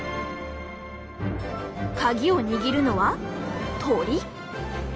カギを握るのは鳥？